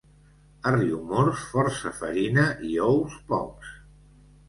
A Riumors, força farina i ous pocs.